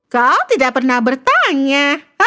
kau tidak pernah bertanya